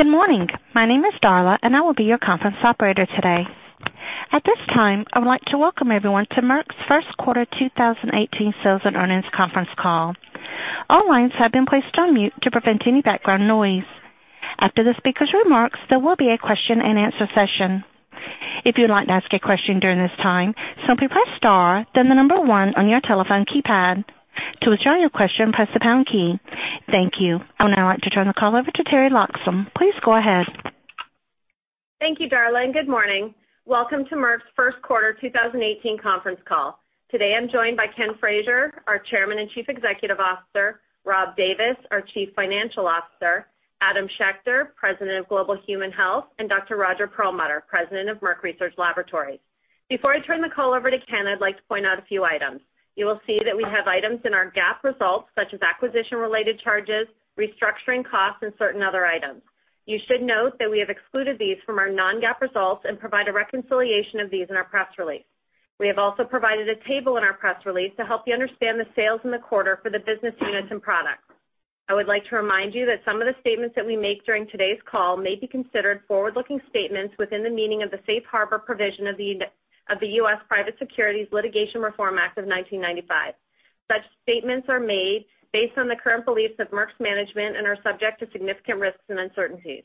Good morning. My name is Darla, I will be your conference operator today. At this time, I would like to welcome everyone to Merck's first quarter 2018 sales and earnings conference call. All lines have been placed on mute to prevent any background noise. After the speaker's remarks, there will be a question-and-answer session. If you would like to ask a question during this time, simply press star then 1 on your telephone keypad. To withdraw your question, press the pound key. Thank you. I would now like to turn the call over to Teri Loxam. Please go ahead. Thank you, Darla, good morning. Welcome to Merck's first-quarter 2018 conference call. Today, I'm joined by Ken Frazier, our Chairman and Chief Executive Officer, Rob Davis, our Chief Financial Officer, Adam Schechter, President of Global Human Health, and Dr. Roger Perlmutter, President of Merck Research Laboratories. Before I turn the call over to Ken, I'd like to point out a few items. You will see that we have items in our GAAP results such as acquisition-related charges, restructuring costs, and certain other items. You should note that we have excluded these from our non-GAAP results and provide a reconciliation of these in our press release. We have also provided a table in our press release to help you understand the sales in the quarter for the business units and products. I would like to remind you that some of the statements that we make during today's call may be considered forward-looking statements within the meaning of the Safe Harbor provision of the U.S. Private Securities Litigation Reform Act of 1995. Such statements are made based on the current beliefs of Merck's management and are subject to significant risks and uncertainties.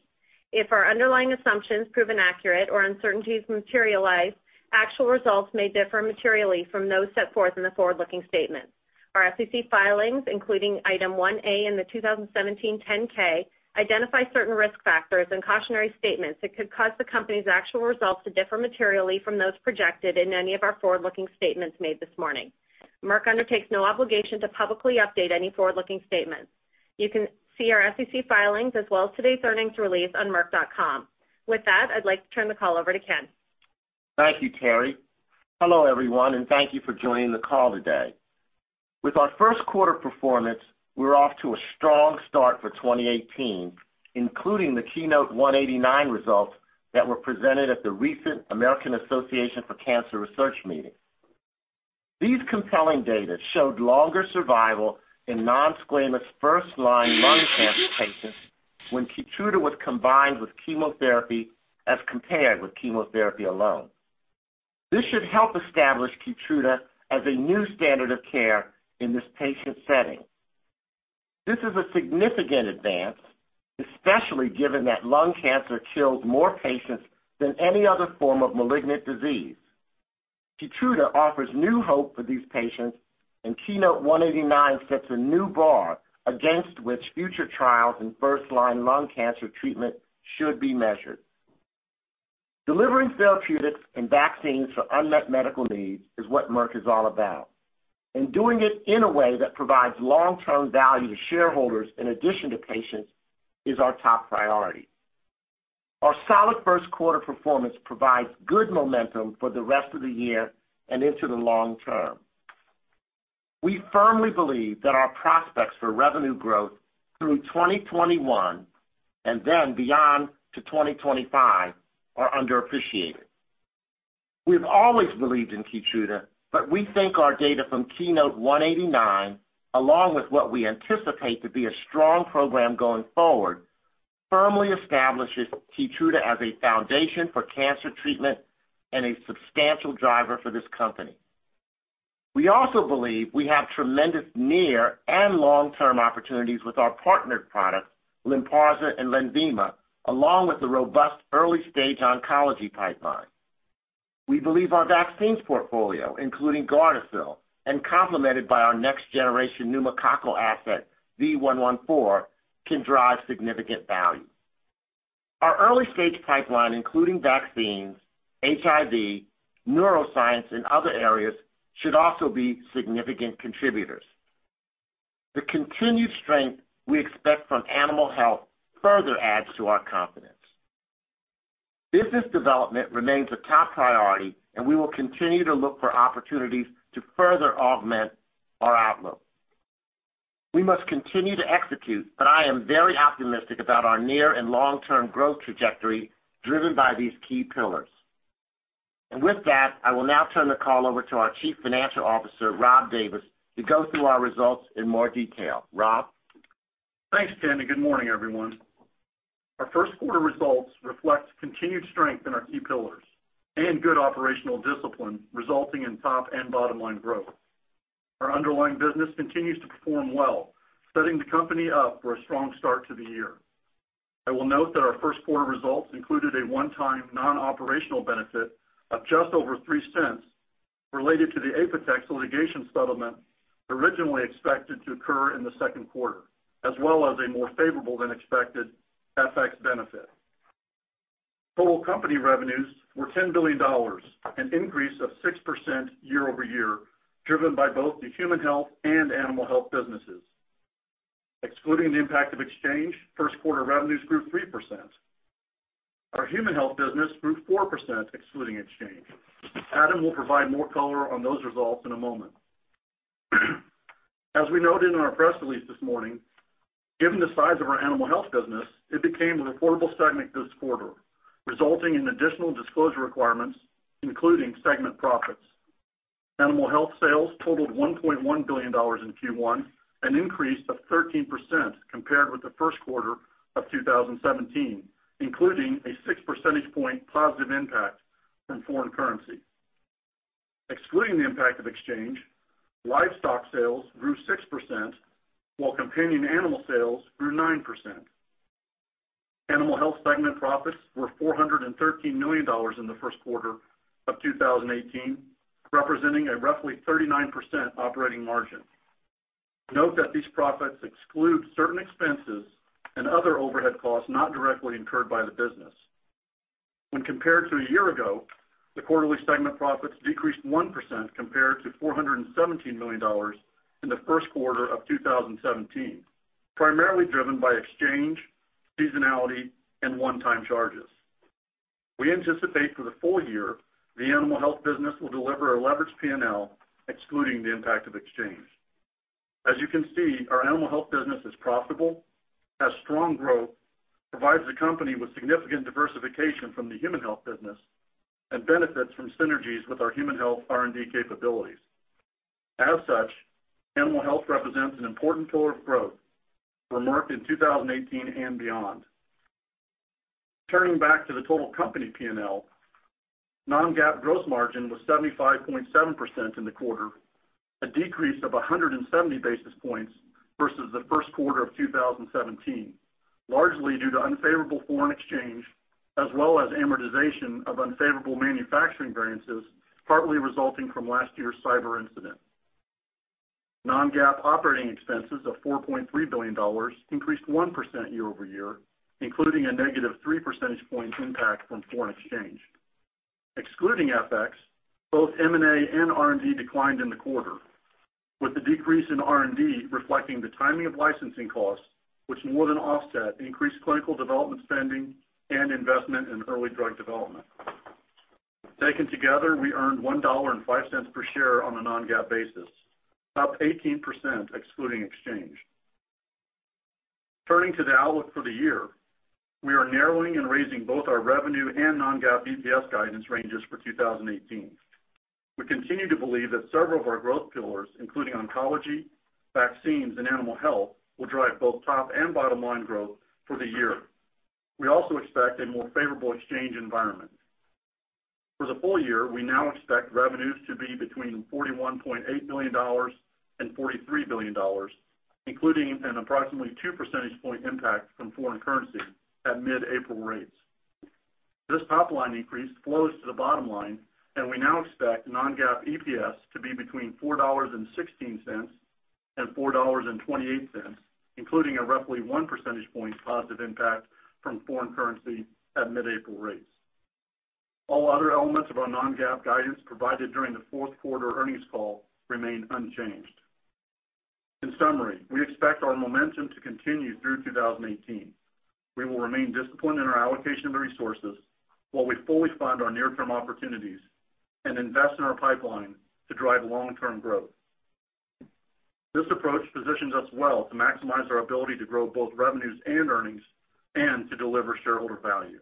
If our underlying assumptions prove inaccurate or uncertainties materialize, actual results may differ materially from those set forth in the forward-looking statements. Our SEC filings, including Item 1A in the 2017 10-K, identify certain risk factors and cautionary statements that could cause the company's actual results to differ materially from those projected in any of our forward-looking statements made this morning. Merck undertakes no obligation to publicly update any forward-looking statements. You can see our SEC filings as well as today's earnings release on merck.com. With that, I'd like to turn the call over to Ken. Thank you, Teri. Hello, everyone, and thank you for joining the call today. With our first-quarter performance, we are off to a strong start for 2018, including the KEYNOTE-189 results that were presented at the recent American Association for Cancer Research meeting. These compelling data showed longer survival in non-squamous first-line lung cancer patients when KEYTRUDA was combined with chemotherapy as compared with chemotherapy alone. This should help establish KEYTRUDA as a new standard of care in this patient setting. This is a significant advance, especially given that lung cancer kills more patients than any other form of malignant disease. KEYTRUDA offers new hope for these patients. KEYNOTE-189 sets a new bar against which future trials in first-line lung cancer treatment should be measured. Delivering therapeutics and vaccines for unmet medical needs is what Merck is all about. Doing it in a way that provides long-term value to shareholders in addition to patients is our top priority. Our solid first-quarter performance provides good momentum for the rest of the year and into the long term. We firmly believe that our prospects for revenue growth through 2021 and then beyond to 2025 are underappreciated. We have always believed in KEYTRUDA. We think our data from KEYNOTE-189, along with what we anticipate to be a strong program going forward, firmly establishes KEYTRUDA as a foundation for cancer treatment and a substantial driver for this company. We also believe we have tremendous near and long-term opportunities with our partnered products, LYNPARZA and LENVIMA, along with the robust early-stage oncology pipeline. We believe our vaccines portfolio, including GARDASIL, complemented by our next-generation pneumococcal asset V114, can drive significant value. Our early-stage pipeline, including vaccines, HIV, neuroscience, and other areas, should also be significant contributors. The continued strength we expect from Animal Health further adds to our confidence. Business development remains a top priority. We will continue to look for opportunities to further augment our outlook. We must continue to execute. I am very optimistic about our near and long-term growth trajectory driven by these key pillars. With that, I will now turn the call over to our Chief Financial Officer, Rob Davis, to go through our results in more detail. Rob? Thanks, Ken. Good morning, everyone. Our first quarter results reflect continued strength in our key pillars and good operational discipline, resulting in top and bottom-line growth. Our underlying business continues to perform well, setting the company up for a strong start to the year. I will note that our first-quarter results included a one-time non-operational benefit of just over $0.03 related to the Apotex litigation settlement originally expected to occur in the second quarter, as well as a more favorable-than-expected FX benefit. Total company revenues were $10 billion, an increase of 6% year-over-year, driven by both the Human Health and Animal Health businesses. Excluding the impact of exchange, first-quarter revenues grew 3%. Our Human Health business grew 4%, excluding exchange. Adam will provide more color on those results in a moment. As we noted in our press release this morning, given the size of our Merck Animal Health business, it became a reportable segment this quarter, resulting in additional disclosure requirements, including segment profits. Merck Animal Health sales totaled $1.1 billion in Q1, an increase of 13% compared with the first quarter of 2017, including a six percentage point positive impact from foreign currency. Excluding the impact of exchange, livestock sales grew 6%, while companion animal sales grew 9%. Merck Animal Health segment profits were $413 million in the first quarter of 2018, representing a roughly 39% operating margin. Note that these profits exclude certain expenses and other overhead costs not directly incurred by the business. When compared to a year ago, the quarterly segment profits decreased 1% compared to $417 million in the first quarter of 2017, primarily driven by exchange, seasonality, and one-time charges. We anticipate for the full year, the Merck Animal Health business will deliver a leveraged P&L excluding the impact of exchange. As you can see, our Merck Animal Health business is profitable, has strong growth, provides the company with significant diversification from the Global Human Health business, and benefits from synergies with our Global Human Health R&D capabilities. As such, Merck Animal Health represents an important pillar of growth for Merck in 2018 and beyond. Turning back to the total company P&L, non-GAAP gross margin was 75.7% in the quarter, a decrease of 170 basis points versus the first quarter of 2017, largely due to unfavorable foreign exchange as well as amortization of unfavorable manufacturing variances, partly resulting from last year's cyber incident. Non-GAAP operating expenses of $4.3 billion increased 1% year-over-year, including a negative three percentage points impact from foreign exchange. Excluding FX, both M&A and R&D declined in the quarter, with the decrease in R&D reflecting the timing of licensing costs, which more than offset increased clinical development spending and investment in early drug development. Taken together, we earned $1.05 per share on a non-GAAP basis, up 18% excluding exchange. Turning to the outlook for the year, we are narrowing and raising both our revenue and non-GAAP EPS guidance ranges for 2018. We continue to believe that several of our growth pillars, including oncology, vaccines, and Merck Animal Health, will drive both top and bottom line growth for the year. We also expect a more favorable exchange environment. For the full year, we now expect revenues to be between $41.8 billion-$43 billion, including an approximately two percentage point impact from foreign currency at mid-April rates. This top-line increase flows to the bottom line, we now expect non-GAAP EPS to be between $4.16-$4.28, including a roughly one percentage point positive impact from foreign currency at mid-April rates. All other elements of our non-GAAP guidance provided during the fourth quarter earnings call remain unchanged. In summary, we expect our momentum to continue through 2018. We will remain disciplined in our allocation of the resources while we fully fund our near-term opportunities and invest in our pipeline to drive long-term growth. This approach positions us well to maximize our ability to grow both revenues and earnings and to deliver shareholder value.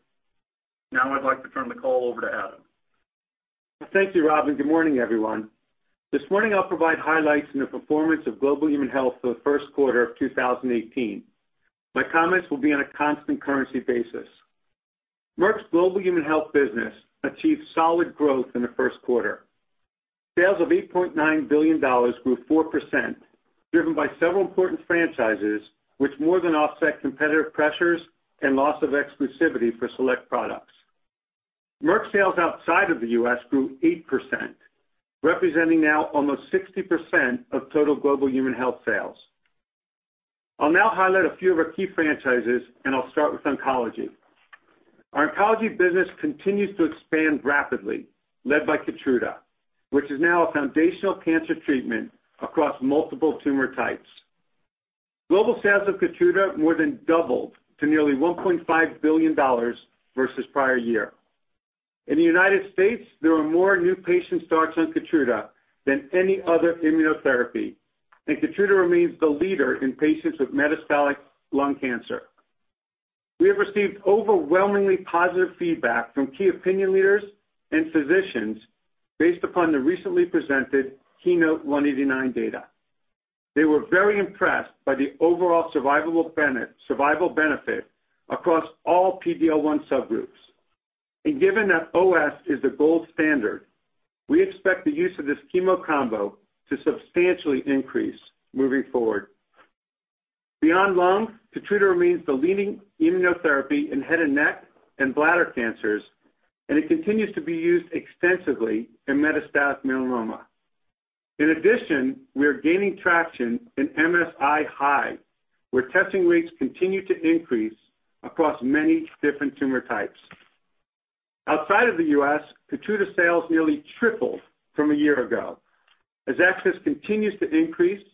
Now I'd like to turn the call over to Adam. Thank you, Rob. Good morning, everyone. This morning I'll provide highlights in the performance of Global Human Health for the first quarter of 2018. My comments will be on a constant currency basis. Merck's Global Human Health business achieved solid growth in the first quarter. Sales of $8.9 billion grew 4%, driven by several important franchises, which more than offset competitive pressures and loss of exclusivity for select products. Merck sales outside of the U.S. grew 8%, representing now almost 60% of total Global Human Health sales. I'll now highlight a few of our key franchises. I'll start with oncology. Our oncology business continues to expand rapidly, led by KEYTRUDA, which is now a foundational cancer treatment across multiple tumor types. Global sales of KEYTRUDA more than doubled to nearly $1.5 billion versus prior year. In the United States, there are more new patient starts on KEYTRUDA than any other immunotherapy. KEYTRUDA remains the leader in patients with metastatic lung cancer. We have received overwhelmingly positive feedback from key opinion leaders and physicians based upon the recently presented KEYNOTE-189 data. They were very impressed by the overall survival benefit across all PD-L1 subgroups. Given that OS is the gold standard, we expect the use of this chemo combo to substantially increase moving forward. Beyond lung, KEYTRUDA remains the leading immunotherapy in head and neck and bladder cancers. It continues to be used extensively in metastatic melanoma. In addition, we are gaining traction in MSI-high, where testing rates continue to increase across many different tumor types. Outside of the U.S., KEYTRUDA sales nearly tripled from a year ago as access continues to increase.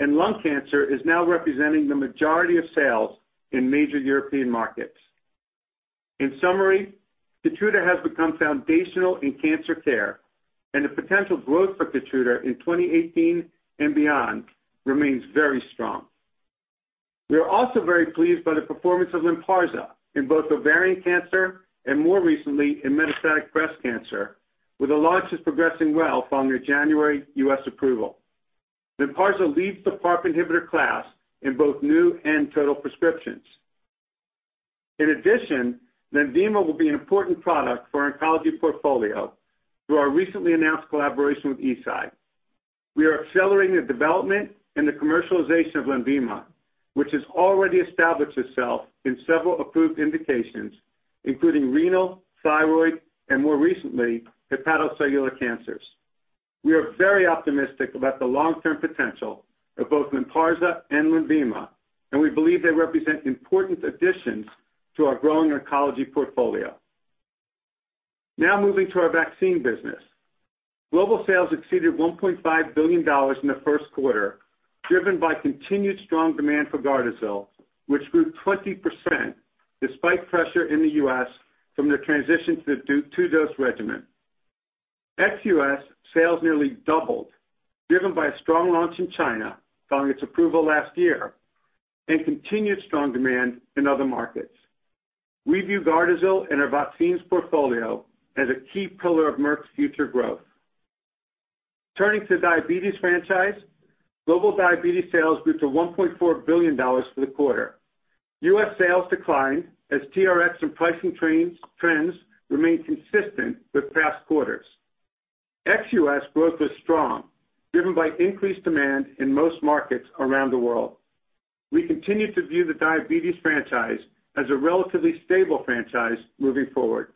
Lung cancer is now representing the majority of sales in major European markets. In summary, KEYTRUDA has become foundational in cancer care. The potential growth for KEYTRUDA in 2018 and beyond remains very strong. We are also very pleased by the performance of LYNPARZA in both ovarian cancer and more recently in metastatic breast cancer, with the launches progressing well following their January U.S. approval. LYNPARZA leads the PARP inhibitor class in both new and total prescriptions. In addition, LENVIMA will be an important product for our oncology portfolio through our recently announced collaboration with Eisai. We are accelerating the development and the commercialization of LENVIMA, which has already established itself in several approved indications, including renal, thyroid, and more recently, hepatocellular cancers. We are very optimistic about the long-term potential of both LYNPARZA and LENVIMA. We believe they represent important additions to our growing oncology portfolio. Now moving to our vaccine business. Global sales exceeded $1.5 billion in the first quarter, driven by continued strong demand for GARDASIL, which grew 20% despite pressure in the U.S. from their transition to the two-dose regimen. Ex-U.S. sales nearly doubled, driven by a strong launch in China following its approval last year and continued strong demand in other markets. We view GARDASIL and our vaccines portfolio as a key pillar of Merck's future growth. Turning to diabetes franchise, global diabetes sales grew to $1.4 billion for the quarter. U.S. sales declined as TRX and pricing trends remained consistent with past quarters. Ex-U.S. growth was strong, driven by increased demand in most markets around the world. We continue to view the diabetes franchise as a relatively stable franchise moving forward.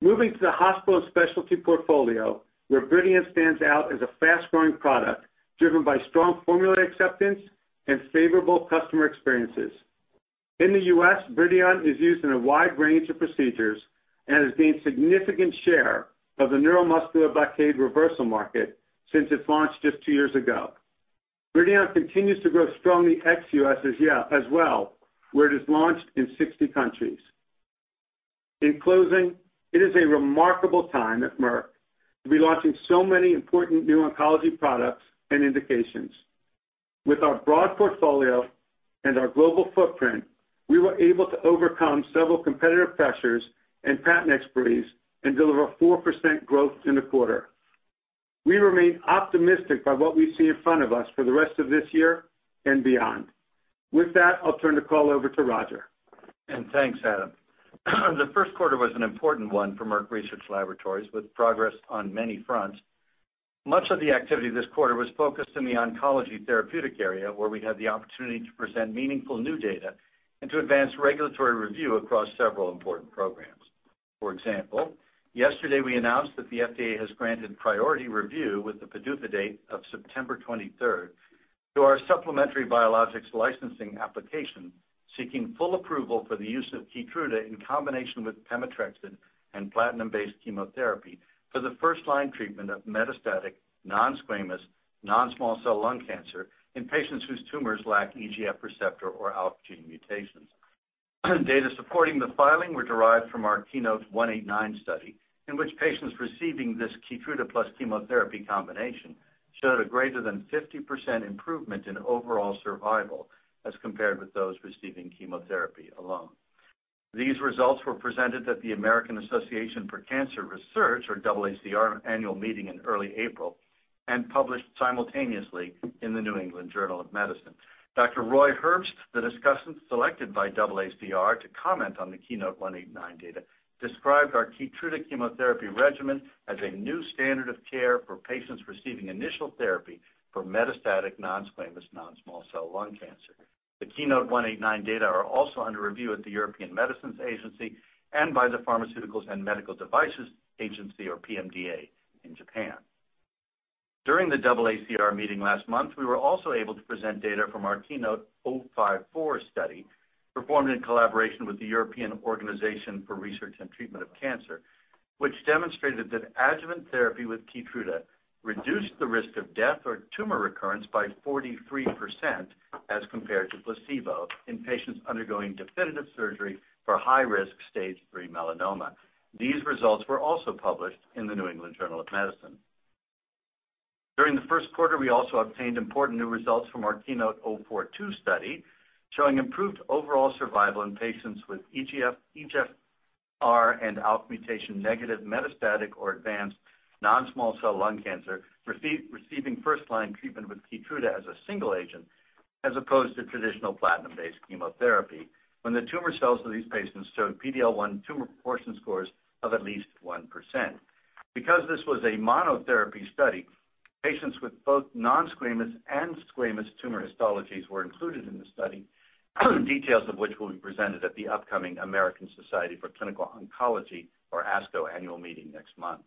Moving to the hospital specialty portfolio, where BRIDION stands out as a fast-growing product, driven by strong formula acceptance and favorable customer experiences. In the U.S., BRIDION is used in a wide range of procedures and has gained significant share of the neuromuscular blockade reversal market since its launch just two years ago. BRIDION continues to grow strongly ex-U.S. as well, where it is launched in 60 countries. In closing, it is a remarkable time at Merck to be launching so many important new oncology products and indications. With our broad portfolio and our global footprint, we were able to overcome several competitive pressures and patent expiries and deliver 4% growth in the quarter. We remain optimistic by what we see in front of us for the rest of this year and beyond. With that, I'll turn the call over to Roger. Thanks, Adam. The first quarter was an important one for Merck Research Laboratories, with progress on many fronts. Much of the activity this quarter was focused in the oncology therapeutic area, where we had the opportunity to present meaningful new data and to advance regulatory review across several important programs. For example, yesterday we announced that the FDA has granted priority review with the PDUFA date of September 23rd to our supplementary biologics licensing application, seeking full approval for the use of KEYTRUDA in combination with pemetrexed and platinum-based chemotherapy for the first-line treatment of metastatic non-squamous, non-small cell lung cancer in patients whose tumors lack EGFR or ALK gene mutations. Data supporting the filing were derived from our KEYNOTE-189 study, in which patients receiving this KEYTRUDA plus chemotherapy combination showed a greater than 50% improvement in overall survival as compared with those receiving chemotherapy alone. These results were presented at the American Association for Cancer Research, or AACR, Annual Meeting in early April and published simultaneously in The New England Journal of Medicine. Dr. Roy Herbst, the discussant selected by AACR to comment on the KEYNOTE-189 data, described our KEYTRUDA chemotherapy regimen as a new standard of care for patients receiving initial therapy for metastatic non-squamous, non-small cell lung cancer. The KEYNOTE-189 data are also under review at the European Medicines Agency and by the Pharmaceuticals and Medical Devices Agency, or PMDA, in Japan. During the AACR meeting last month, we were also able to present data from our KEYNOTE-054 study, performed in collaboration with the European Organisation for Research and Treatment of Cancer, which demonstrated that adjuvant therapy with KEYTRUDA reduced the risk of death or tumor recurrence by 43% as compared to placebo in patients undergoing definitive surgery for high-risk stage 3 melanoma. These results were also published in The New England Journal of Medicine. During the first quarter, we also obtained important new results from our KEYNOTE-042 study, showing improved overall survival in patients with EGFR and ALK mutation-negative metastatic or advanced non-small cell lung cancer, receiving first-line treatment with KEYTRUDA as a single agent, as opposed to traditional platinum-based chemotherapy when the tumor cells of these patients showed PD-L1 tumor proportion scores of at least 1%. Because this was a monotherapy study, patients with both non-squamous and squamous tumor histologies were included in the study, details of which will be presented at the upcoming American Society of Clinical Oncology, or ASCO, Annual Meeting next month.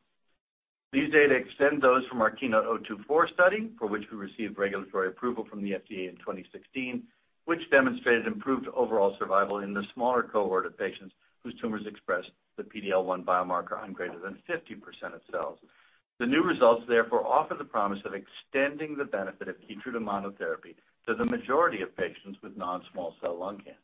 These data extend those from our KEYNOTE-024 study, for which we received regulatory approval from the FDA in 2016, which demonstrated improved overall survival in the smaller cohort of patients whose tumors expressed the PD-L1 biomarker on greater than 50% of cells. The new results, therefore, offer the promise of extending the benefit of KEYTRUDA monotherapy to the majority of patients with non-small cell lung cancer.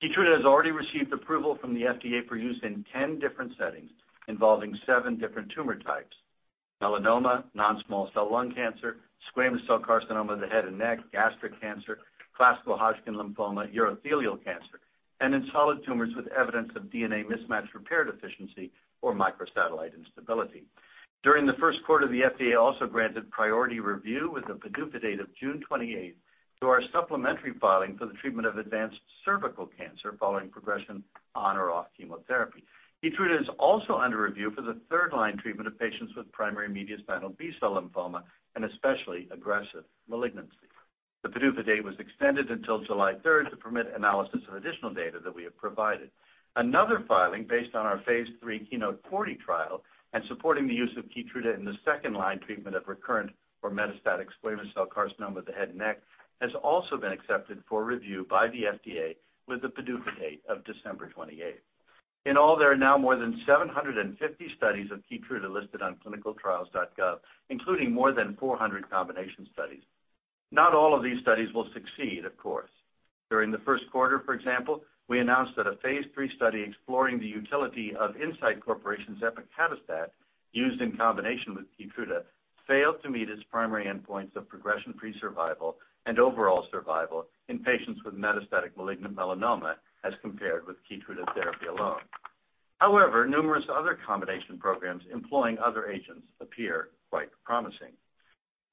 KEYTRUDA has already received approval from the FDA for use in 10 different settings involving seven different tumor types: melanoma, non-small cell lung cancer, squamous cell carcinoma of the head and neck, gastric cancer, classical Hodgkin lymphoma, urothelial cancer, and in solid tumors with evidence of DNA mismatch repair deficiency or microsatellite instability. During the first quarter, the FDA also granted priority review with a PDUFA date of June 28th to our supplementary filing for the treatment of advanced cervical cancer following progression on or off chemotherapy. KEYTRUDA is also under review for the third-line treatment of patients with primary mediastinal B-cell lymphoma, an especially aggressive malignancy. The PDUFA date was extended until July 3rd to permit analysis of additional data that we have provided. Another filing based on our phase III KEYNOTE-040 trial and supporting the use of KEYTRUDA in the second-line treatment of recurrent or metastatic squamous cell carcinoma of the head and neck has also been accepted for review by the FDA with a PDUFA date of December 28th. In all, there are now more than 750 studies of KEYTRUDA listed on clinicaltrials.gov, including more than 400 combination studies. Not all of these studies will succeed, of course. During the first quarter, for example, we announced that a phase III study exploring the utility of Incyte Corporation's epacadostat used in combination with KEYTRUDA failed to meet its primary endpoints of progression-free survival and overall survival in patients with metastatic malignant melanoma as compared with KEYTRUDA therapy alone. However, numerous other combination programs employing other agents appear quite promising.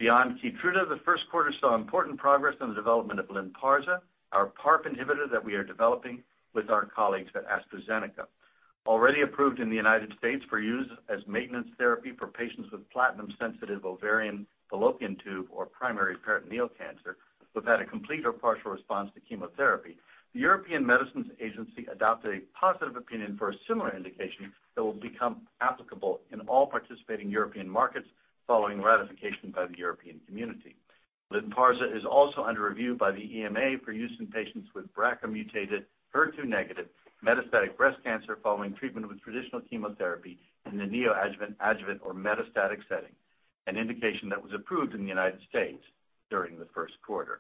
Beyond KEYTRUDA, the first quarter saw important progress in the development of LYNPARZA, our PARP inhibitor that we are developing with our colleagues at AstraZeneca. Already approved in the United States for use as maintenance therapy for patients with platinum-sensitive ovarian, fallopian tube, or primary peritoneal cancer who've had a complete or partial response to chemotherapy, the European Medicines Agency adopted a positive opinion for a similar indication that will become applicable in all participating European markets following ratification by the European community. LYNPARZA is also under review by the EMA for use in patients with BRCA-mutated, HER2-negative metastatic breast cancer following treatment with traditional chemotherapy in the neoadjuvant, adjuvant, or metastatic setting, an indication that was approved in the United States during the first quarter.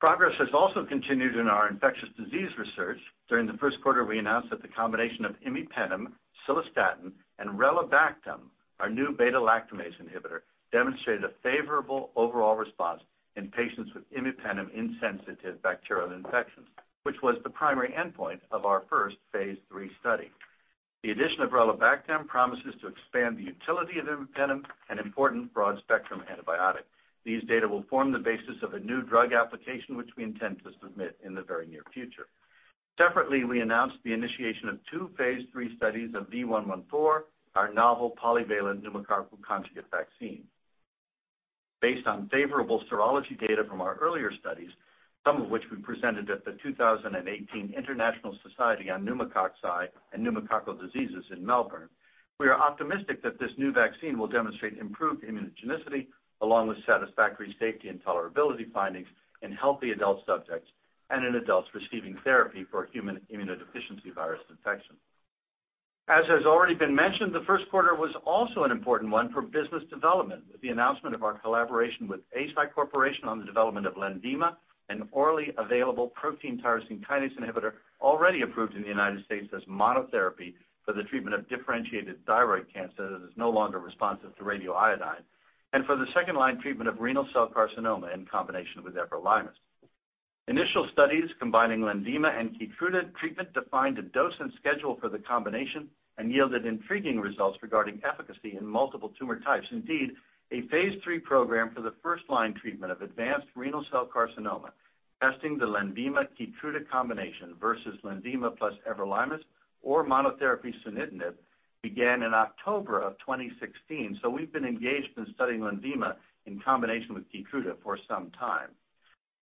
Progress has also continued in our infectious disease research. During the first quarter, we announced that the combination of imipenem, cilastatin, and relebactam, our new beta-lactamase inhibitor, demonstrated a favorable overall response in patients with imipenem-insensitive bacterial infections, which was the primary endpoint of our first phase III study. The addition of relebactam promises to expand the utility of imipenem, an important broad-spectrum antibiotic. These data will form the basis of a new drug application, which we intend to submit in the very near future. Separately, we announced the initiation of two phase III studies of V114, our novel polyvalent pneumococcal conjugate vaccine. Based on favorable serology data from our earlier studies, some of which we presented at the 2018 International Society of Pneumonia and Pneumococcal Diseases in Melbourne, we are optimistic that this new vaccine will demonstrate improved immunogenicity along with satisfactory safety and tolerability findings in healthy adult subjects and in adults receiving therapy for human immunodeficiency virus infection. As has already been mentioned, the first quarter was also an important one for business development with the announcement of our collaboration with Eisai Corporation on the development of LENVIMA, an orally available protein tyrosine kinase inhibitor already approved in the United States as monotherapy for the treatment of differentiated thyroid cancer that is no longer responsive to radioiodine and for the second-line treatment of renal cell carcinoma in combination with everolimus. Initial studies combining LENVIMA and KEYTRUDA treatment defined a dose and schedule for the combination and yielded intriguing results regarding efficacy in multiple tumor types. Indeed, a phase III program for the first-line treatment of advanced renal cell carcinoma testing the LENVIMA/KEYTRUDA combination versus LENVIMA plus everolimus or monotherapy sunitinib began in October 2016. We've been engaged in studying LENVIMA in combination with KEYTRUDA for some time.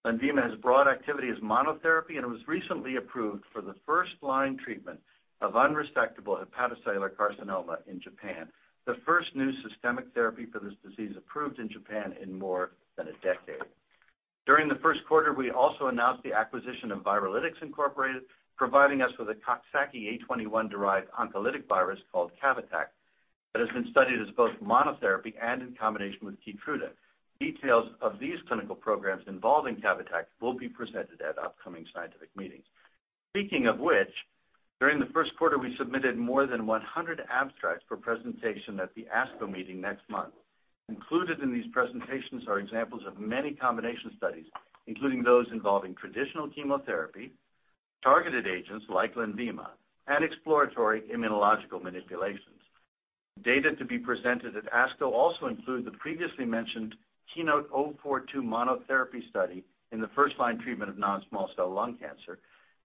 LENVIMA has broad activity as monotherapy and it was recently approved for the first-line treatment of unresectable hepatocellular carcinoma in Japan, the first new systemic therapy for this disease approved in Japan in more than a decade. During the first quarter, we also announced the acquisition of Viralytics Incorporated, providing us with a Coxsackie A21-derived oncolytic virus called CAVATAK that has been studied as both monotherapy and in combination with KEYTRUDA. Details of these clinical programs involving CAVATAK will be presented at upcoming scientific meetings. During the first quarter, we submitted more than 100 abstracts for presentation at the ASCO meeting next month. Included in these presentations are examples of many combination studies, including those involving traditional chemotherapy, targeted agents like LENVIMA, and exploratory immunological manipulations. Data to be presented at ASCO also include the previously mentioned KEYNOTE-042 monotherapy study in the first-line treatment of non-small cell lung cancer,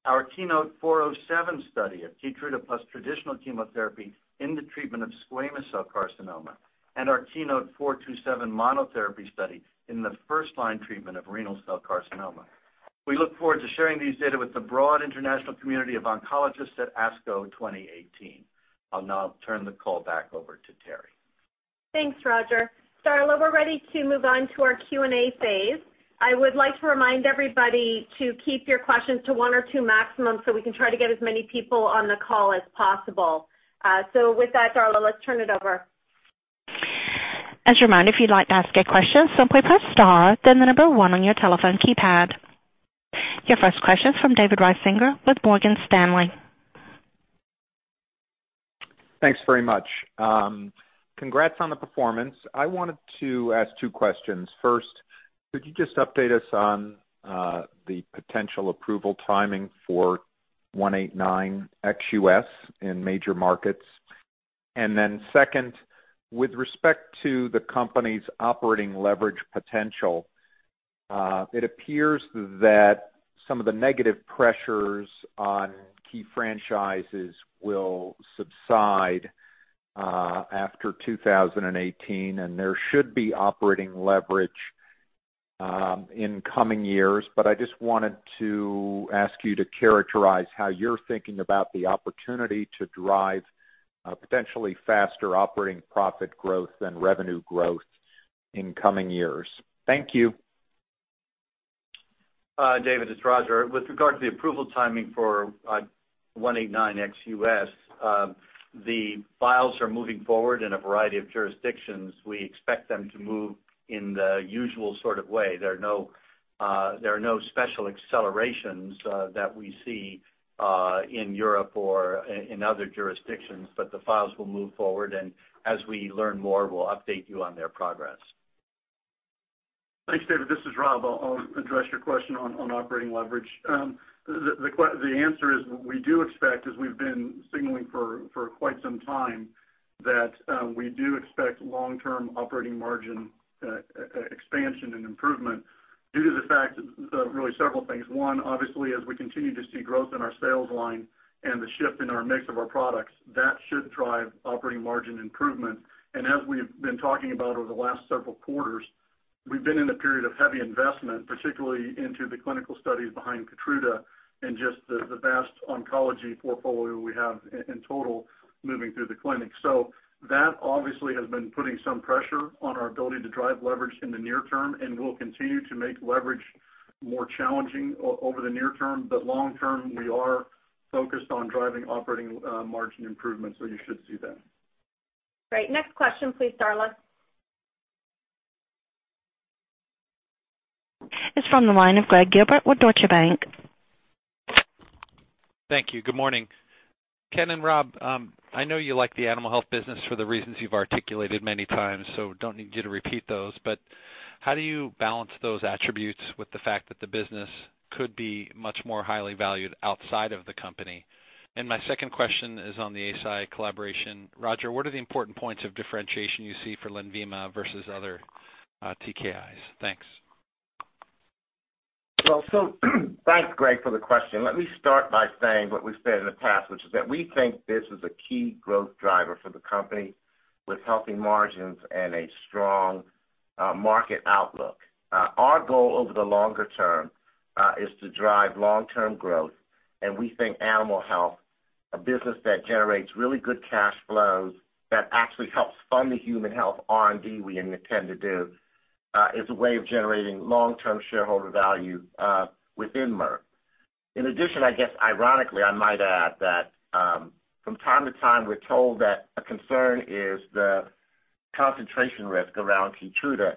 our KEYNOTE-407 study of KEYTRUDA plus traditional chemotherapy in the treatment of squamous cell carcinoma, and our KEYNOTE-427 monotherapy study in the first-line treatment of renal cell carcinoma. We look forward to sharing these data with the broad international community of oncologists at ASCO 2018. I'll now turn the call back over to Teri. Thanks, Roger. Darla, we're ready to move on to our Q&A phase. I would like to remind everybody to keep your questions to one or two maximum so we can try to get as many people on the call as possible. With that, Darla, let's turn it over. As a reminder, if you'd like to ask a question, simply press star, then the number one on your telephone keypad. Your first question is from David Risinger with Morgan Stanley. Thanks very much. Congrats on the performance. I wanted to ask two questions. First, could you just update us on the potential approval timing for 189 ex-U.S. in major markets? Second, with respect to the company's operating leverage potential, it appears that some of the negative pressures on key franchises will subside after 2018, there should be operating leverage in coming years. I just wanted to ask you to characterize how you're thinking about the opportunity to drive potentially faster operating profit growth than revenue growth in coming years. Thank you. David, it's Roger. With regard to the approval timing for 189 ex-US, the files are moving forward in a variety of jurisdictions. We expect them to move in the usual sort of way. There are no special accelerations that we see in Europe or in other jurisdictions, the files will move forward, and as we learn more, we'll update you on their progress. Thanks, David. This is Rob. I'll address your question on operating leverage. The answer is, we do expect, as we've been signaling for quite some time, that we do expect long-term operating margin expansion and improvement due to the fact that really several things. One, obviously, as we continue to see growth in our sales line and the shift in our mix of our products, that should drive operating margin improvement. As we've been talking about over the last several quarters, we've been in a period of heavy investment, particularly into the clinical studies behind KEYTRUDA and just the vast oncology portfolio we have in total moving through the clinic. That obviously has been putting some pressure on our ability to drive leverage in the near term and will continue to make leverage more challenging over the near term. Long term, we are focused on driving operating margin improvements, so you should see that. Great. Next question, please, Darla. It's from the line of Gregg Gilbert with Deutsche Bank. Thank you. Good morning. Ken and Rob, I know you like the Animal Health business for the reasons you've articulated many times, don't need you to repeat those. How do you balance those attributes with the fact that the business could be much more highly valued outside of the company? My second question is on the Eisai collaboration. Roger, what are the important points of differentiation you see for KEYTRUDA versus other TKIs? Thanks. Thanks, Gregg, for the question. Let me start by saying what we've said in the past, which is that we think this is a key growth driver for the company with healthy margins and a strong market outlook. Our goal over the longer term is to drive long-term growth, and we think Animal Health, a business that generates really good cash flows that actually helps fund the Global Human Health R&D we intend to do, is a way of generating long-term shareholder value within Merck. In addition, I guess ironically, I might add that from time to time, we're told that a concern is the concentration risk around KEYTRUDA,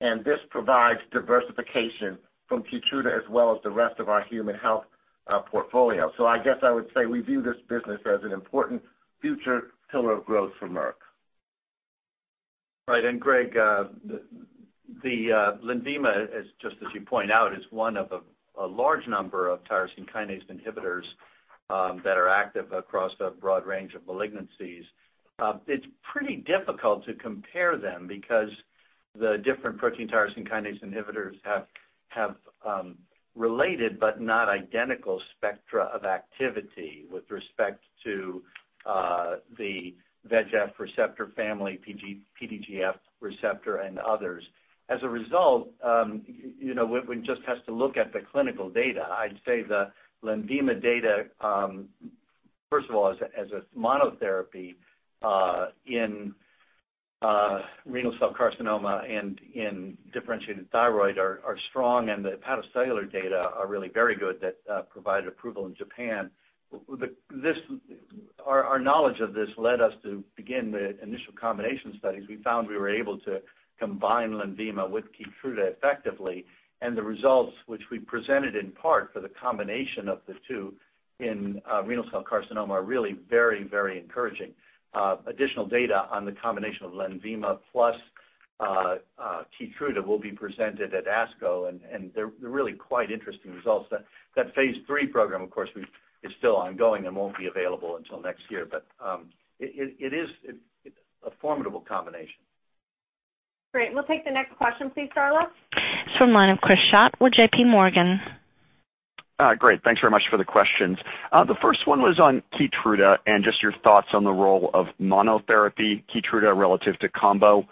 and this provides diversification from KEYTRUDA as well as the rest of our Global Human Health portfolio. I guess I would say we view this business as an important future pillar of growth for Merck. Right. Gregg, the LENVIMA is, just as you point out, is one of a large number of protein tyrosine kinase inhibitors that are active across a broad range of malignancies. It's pretty difficult to compare them because the different protein tyrosine kinase inhibitors have related but not identical spectra of activity with respect to the VEGF receptor family, PDGF receptor, and others. As a result, one just has to look at the clinical data. I'd say the LENVIMA data, first of all, as a monotherapy in renal cell carcinoma and in differentiated thyroid are strong, and the hepatocellular data are really very good that provided approval in Japan. Our knowledge of this led us to begin the initial combination studies. We found we were able to combine LENVIMA with KEYTRUDA effectively. The results, which we presented in part for the combination of the two in renal cell carcinoma, are really very encouraging. Additional data on the combination of LENVIMA plus KEYTRUDA will be presented at ASCO. They're really quite interesting results. That phase III program, of course, is still ongoing and won't be available until next year. It is a formidable combination. Great. We'll take the next question, please, Darla. It's from the line of Chris Schott with J.P. Morgan. Great. Thanks very much for the questions. The first one was on KEYTRUDA and just your thoughts on the role of monotherapy KEYTRUDA relative to combo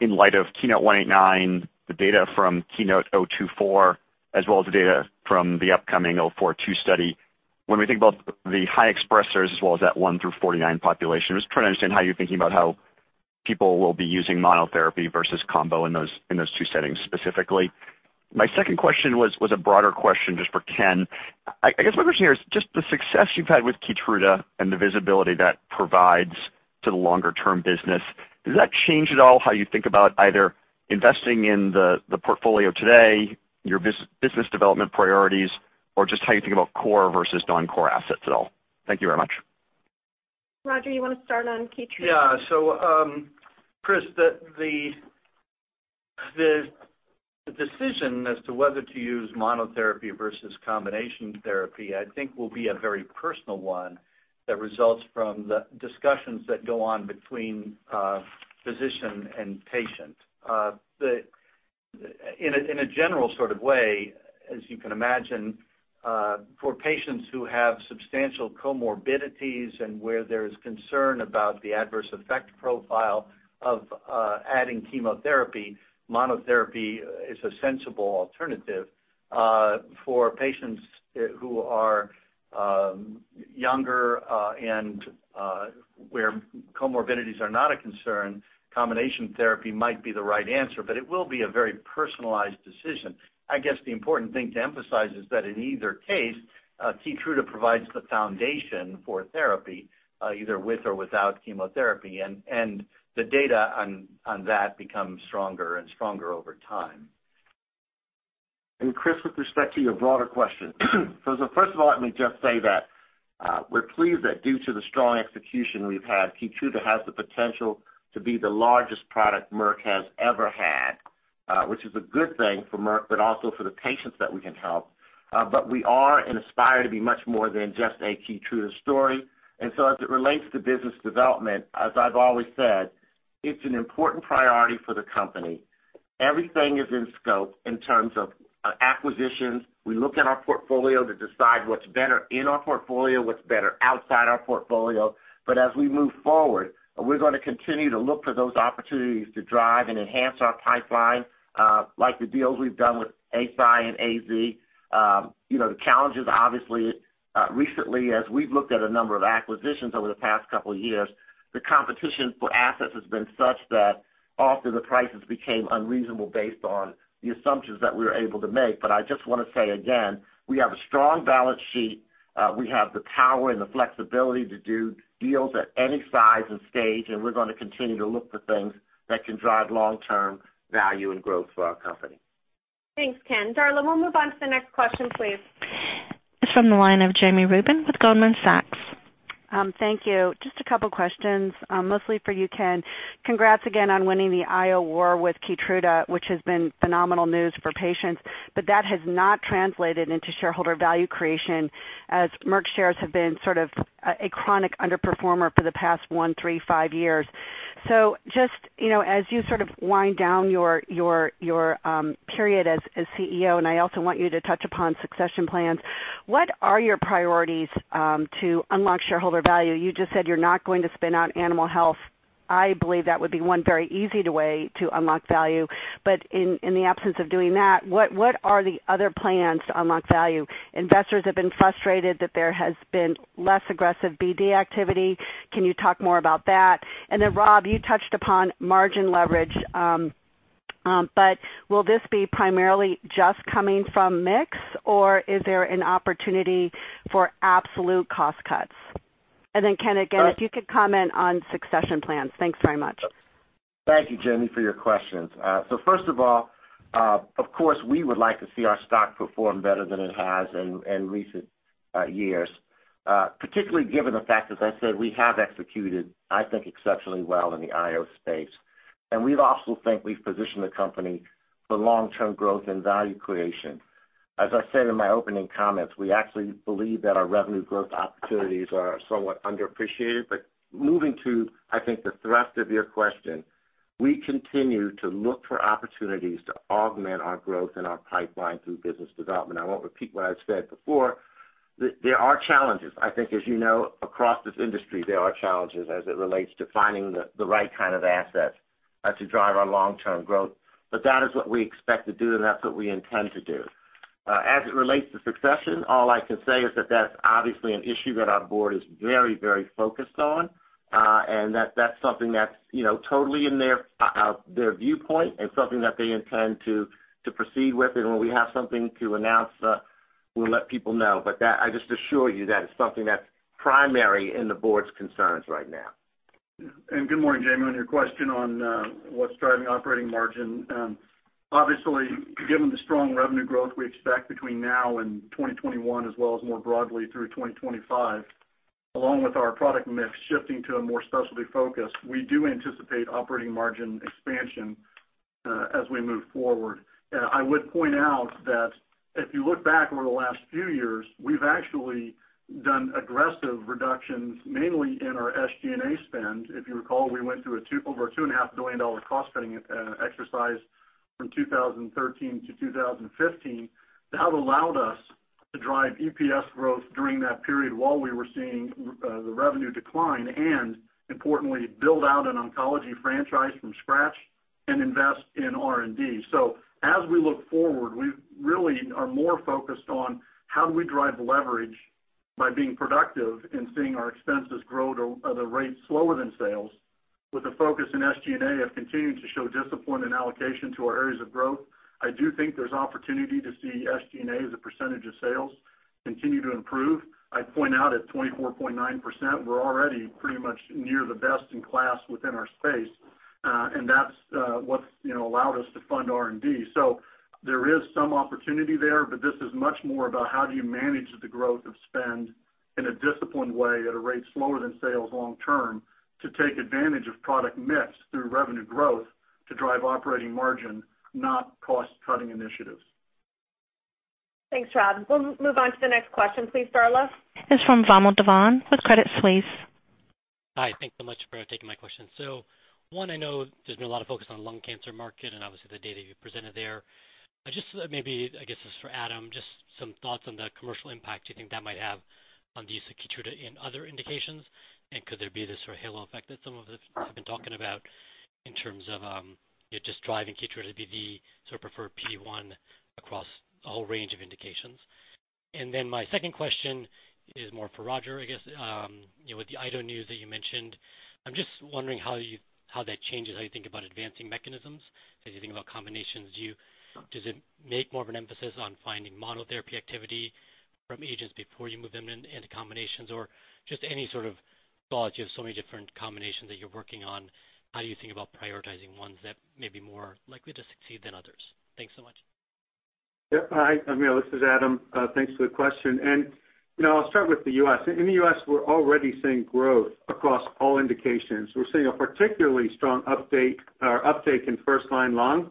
in light of KEYNOTE-189, the data from KEYNOTE-024, as well as the data from the upcoming 042 study. When we think about the high expressors as well as that one through 49 population, I'm just trying to understand how you're thinking about how people will be using monotherapy versus combo in those two settings specifically. My second question was a broader question just for Ken. My question here is just the success you've had with KEYTRUDA and the visibility that provides to the longer-term business, does that change at all how you think about either investing in the portfolio today, your business development priorities, or just how you think about core versus non-core assets at all? Thank you very much. Roger, you want to start on KEYTRUDA? Yeah. Chris, the decision as to whether to use monotherapy versus combination therapy, I think will be a very personal one that results from the discussions that go on between physician and patient. In a general sort of way, as you can imagine, for patients who have substantial comorbidities and where there is concern about the adverse effect profile of adding chemotherapy, monotherapy is a sensible alternative. For patients who are younger, and where comorbidities are not a concern, combination therapy might be the right answer, but it will be a very personalized decision. I guess the important thing to emphasize is that in either case, KEYTRUDA provides the foundation for therapy, either with or without chemotherapy, and the data on that becomes stronger and stronger over time. Chris, with respect to your broader question, first of all, let me just say that we're pleased that due to the strong execution we've had, KEYTRUDA has the potential to be the largest product Merck has ever had, which is a good thing for Merck, but also for the patients that we can help. We are and aspire to be much more than just a KEYTRUDA story. As it relates to business development, as I've always said, it's an important priority for the company. Everything is in scope in terms of acquisitions. We look at our portfolio to decide what's better in our portfolio, what's better outside our portfolio. As we move forward, we're going to continue to look for those opportunities to drive and enhance our pipeline, like the deals we've done with [ACII and AZ. The challenge is obviously, recently, as we've looked at a number of acquisitions over the past couple of years, the competition for assets has been such that often the prices became unreasonable based on the assumptions that we were able to make. I just want to say again, we have a strong balance sheet. We have the power and the flexibility to do deals at any size and stage, and we're going to continue to look for things that can drive long-term value and growth for our company. Thanks, Ken. Darla, we'll move on to the next question, please. This from the line of Jami Rubin with Goldman Sachs. Thank you. Just a couple of questions, mostly for you, Ken. Congrats again on winning the IO war with KEYTRUDA, which has been phenomenal news for patients, but that has not translated into shareholder value creation, as Merck shares have been sort of a chronic underperformer for the past one, three, five years. Just, as you sort of wind down your period as CEO, and I also want you to touch upon succession plans, what are your priorities to unlock shareholder value? You just said you're not going to spin out animal health. I believe that would be one very easy way to unlock value. In the absence of doing that, what are the other plans to unlock value? Investors have been frustrated that there has been less aggressive BD activity. Can you talk more about that? Rob, you touched upon margin leverage, but will this be primarily just coming from mix, or is there an opportunity for absolute cost cuts? Ken, again, if you could comment on succession plans. Thanks very much. Thank you, Jami, for your questions. First of all, of course, we would like to see our stock perform better than it has in recent years, particularly given the fact, as I said, we have executed, I think, exceptionally well in the IO space. We also think we've positioned the company for long-term growth and value creation. As I said in my opening comments, we actually believe that our revenue growth opportunities are somewhat underappreciated. Moving to, I think, the thrust of your question, we continue to look for opportunities to augment our growth and our pipeline through business development. I won't repeat what I've said before. There are challenges, I think as you know, across this industry, there are challenges as it relates to finding the right kind of assets to drive our long-term growth. That is what we expect to do, and that's what we intend to do. As it relates to succession, all I can say is that's obviously an issue that our board is very focused on, and that's something that's totally in their viewpoint and something that they intend to proceed with. When we have something to announce, we'll let people know. I just assure you that it's something that's primary in the board's concerns right now. Good morning, Jami. On your question on what's driving operating margin, obviously, given the strong revenue growth we expect between now and 2021, as well as more broadly through 2025, along with our product mix shifting to a more specialty focus, we do anticipate operating margin expansion as we move forward. I would point out that if you look back over the last few years, we've actually done aggressive reductions, mainly in our SG&A spend. If you recall, we went through over a $2.5 billion cost-cutting exercise from 2013 to 2015. That allowed us to drive EPS growth during that period while we were seeing the revenue decline, and importantly, build out an oncology franchise from scratch and invest in R&D. As we look forward, we really are more focused on how do we drive leverage by being productive and seeing our expenses grow at a rate slower than sales. With a focus in SG&A of continuing to show discipline and allocation to our areas of growth, I do think there's opportunity to see SG&A as a percentage of sales continue to improve. I'd point out at 24.9%, we're already pretty much near the best in class within our space. That's what's allowed us to fund R&D. There is some opportunity there, but this is much more about how do you manage the growth of spend in a disciplined way at a rate slower than sales long term to take advantage of product mix through revenue growth to drive operating margin, not cost-cutting initiatives. Thanks, Rob. We'll move on to the next question, please, Operator. It's from Vamil Divan with Credit Suisse. Hi. Thanks so much for taking my question. One, I know there's been a lot of focus on lung cancer market and obviously the data you presented there. Just maybe, I guess this is for Adam, just some thoughts on the commercial impact you think that might have on the use of KEYTRUDA in other indications, and could there be this sort of halo effect that some of us have been talking about in terms of just driving KEYTRUDA to be the sort of preferred PD-1 across a whole range of indications? Then my second question is more for Roger, I guess. With the IDO news that you mentioned, I'm just wondering how that changes how you think about advancing mechanisms. As you think about combinations, does it make more of an emphasis on finding monotherapy activity from agents before you move them into combinations? Just any sort of thoughts. You have so many different combinations that you're working on. How do you think about prioritizing ones that may be more likely to succeed than others? Thanks so much. Hi, Vamil. This is Adam. Thanks for the question. I'll start with the U.S. In the U.S., we're already seeing growth across all indications. We're seeing a particularly strong uptake in first-line lung,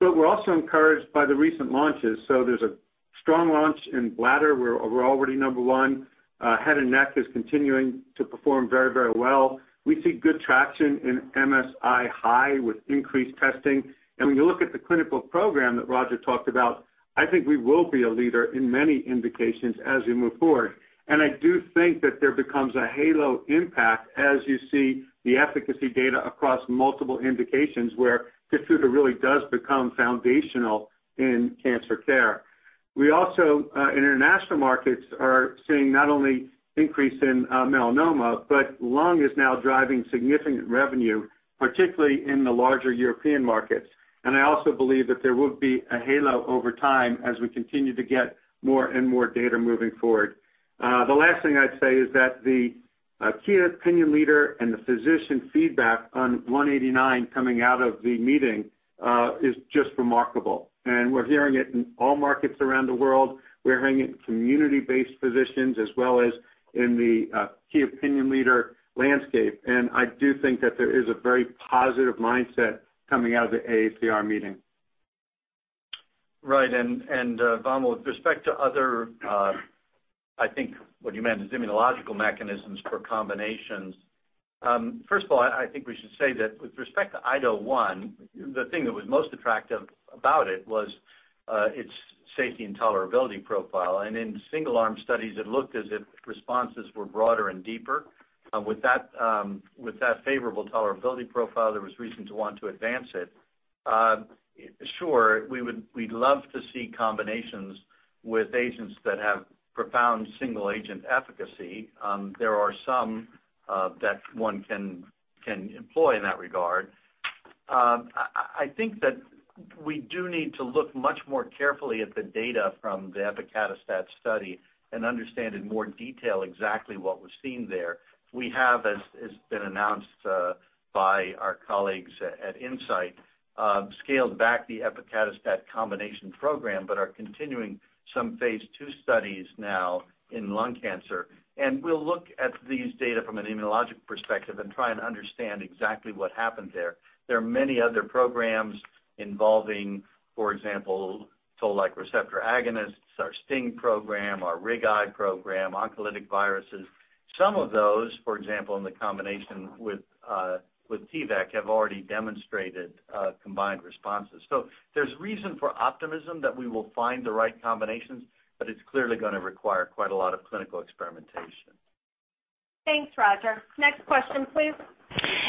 but we're also encouraged by the recent launches. There's a strong launch in bladder, where we're already number 1. Head and neck is continuing to perform very well. We see good traction in MSI-H with increased testing. When you look at the clinical program that Roger talked about, I think we will be a leader in many indications as we move forward. I do think that there becomes a halo impact as you see the efficacy data across multiple indications where KEYTRUDA really does become foundational in cancer care. We also, in international markets, are seeing not only increase in melanoma, but lung is now driving significant revenue, particularly in the larger European markets. I also believe that there will be a halo over time as we continue to get more and more data moving forward. The last thing I'd say is that the key opinion leader and the physician feedback on 189 coming out of the meeting is just remarkable. We're hearing it in all markets around the world. We're hearing it in community-based physicians as well as in the key opinion leader landscape, and I do think that there is a very positive mindset coming out of the AACR meeting. Right. Vamil, with respect to other, I think what you meant is immunological mechanisms for combinations. First of all, I think we should say that with respect to IDO1, the thing that was most attractive about it was its safety and tolerability profile. In single-arm studies, it looked as if responses were broader and deeper. With that favorable tolerability profile, there was reason to want to advance it. Sure, we'd love to see combinations with agents that have profound single-agent efficacy. There are some that one can employ in that regard. I think that we do need to look much more carefully at the data from the epacadostat study and understand in more detail exactly what was seen there. We have, as has been announced by our colleagues at Incyte, scaled back the epacadostat combination program, but are continuing some phase II studies now in lung cancer. We'll look at these data from an immunologic perspective and try and understand exactly what happened there. There are many other programs involving, for example, toll-like receptor agonists, our STING program, our RIG-I program, oncolytic viruses. Some of those, for example, in the combination with T-VEC, have already demonstrated combined responses. There's reason for optimism that we will find the right combinations, but it's clearly going to require quite a lot of clinical experimentation. Thanks, Roger. Next question, please.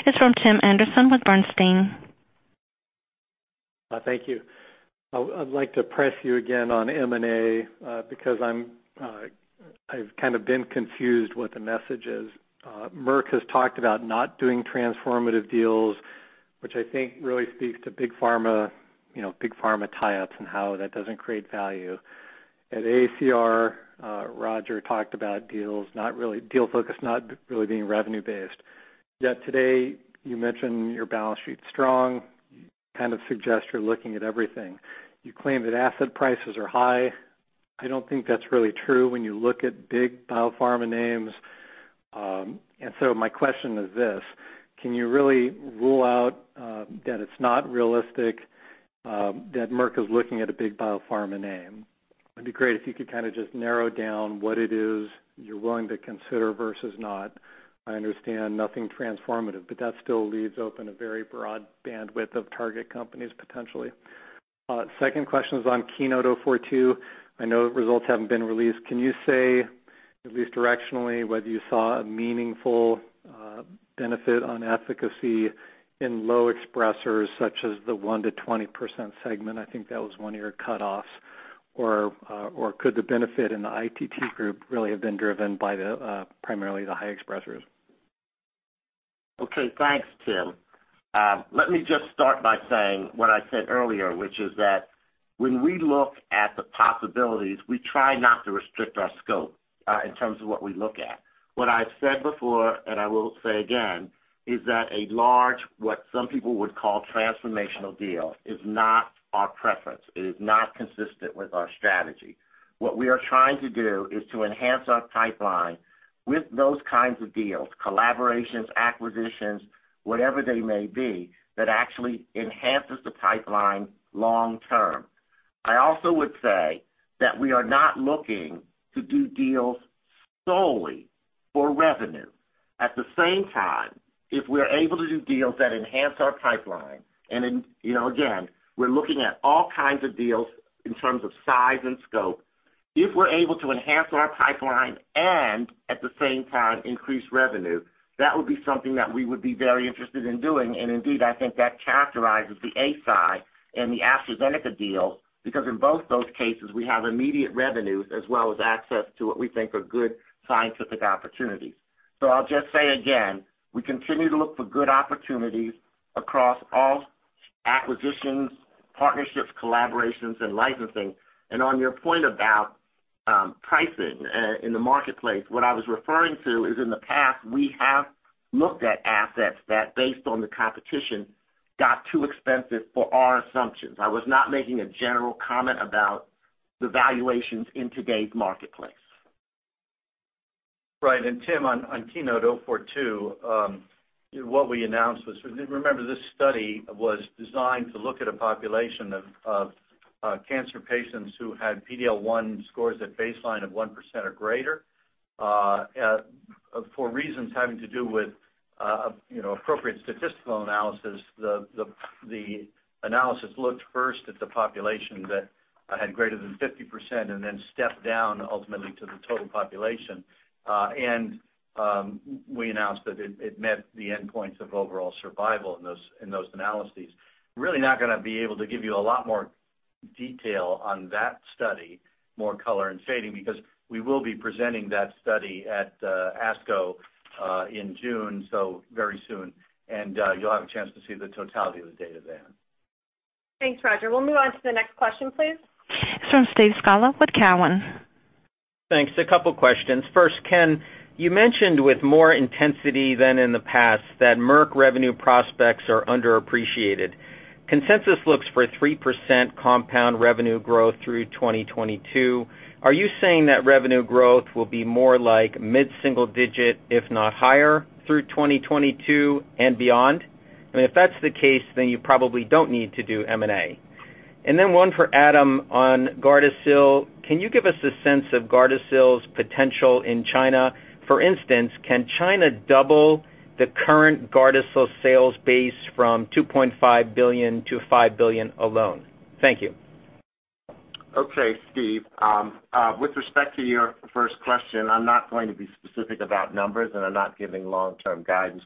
It's from Timothy Anderson with Bernstein. Thank you. I'd like to press you again on M&A, because I've kind of been confused what the message is. Merck has talked about not doing transformative deals, which I think really speaks to big pharma tie-ups and how that doesn't create value. At AACR, Roger talked about deals focus not really being revenue based. Yet today, you mentioned your balance sheet's strong, kind of suggest you're looking at everything. You claim that asset prices are high. I don't think that's really true when you look at big biopharma names. My question is this: Can you really rule out that it's not realistic that Merck is looking at a big biopharma name? It'd be great if you could kind of just narrow down what it is you're willing to consider versus not. I understand nothing transformative, but that still leaves open a very broad bandwidth of target companies potentially. Second question is on KEYNOTE-042. I know results haven't been released. Can you say, at least directionally, whether you saw a meaningful benefit on efficacy in low expressers, such as the 1%-20% segment? I think that was one of your cutoffs. Could the benefit in the ITT group really have been driven by primarily the high expressers? Okay, thanks, Tim. Let me just start by saying what I said earlier, which is that when we look at the possibilities, we try not to restrict our scope in terms of what we look at. What I've said before, and I will say again, is that a large, what some people would call transformational deal, is not our preference. It is not consistent with our strategy. What we are trying to do is to enhance our pipeline with those kinds of deals, collaborations, acquisitions, whatever they may be, that actually enhances the pipeline long term. I also would say that we are not looking to do deals solely for revenue. At the same time, if we're able to do deals that enhance our pipeline, and again, we're looking at all kinds of deals in terms of size and scope. If we're able to enhance our pipeline and at the same time increase revenue, that would be something that we would be very interested in doing. Indeed, I think that characterizes the Eisai and the AstraZeneca deals, because in both those cases, we have immediate revenues as well as access to what we think are good scientific opportunities. I'll just say again, we continue to look for good opportunities across all acquisitions, partnerships, collaborations, and licensing. On your point about pricing in the marketplace, what I was referring to is in the past, we have looked at assets that, based on the competition, got too expensive for our assumptions. I was not making a general comment about the valuations in today's marketplace. Right. Tim, on KEYNOTE-042, what we announced was, remember, this study was designed to look at a population of cancer patients who had PD-L1 scores at baseline of 1% or greater. For reasons having to do with appropriate statistical analysis, the analysis looked first at the population that had greater than 50% and then stepped down ultimately to the total population. We announced that it met the endpoints of overall survival in those analyses. Really not going to be able to give you a lot more detail on that study, more color and shading, because we will be presenting that study at ASCO in June, so very soon. You'll have a chance to see the totality of the data then. Thanks, Roger. We'll move on to the next question, please. It's from Steve Scala with Cowen. Thanks. A couple of questions. First, Ken, you mentioned with more intensity than in the past that Merck revenue prospects are underappreciated. Consensus looks for 3% compound revenue growth through 2022. Are you saying that revenue growth will be more like mid-single digit, if not higher, through 2022 and beyond? If that's the case, you probably don't need to do M&A. Then one for Adam on GARDASIL. Can you give us a sense of GARDASIL's potential in China? For instance, can China double the current GARDASIL sales base from $2.5 billion to $5 billion alone? Thank you. Okay, Steve. With respect to your first question, I'm not going to be specific about numbers, I'm not giving long-term guidance.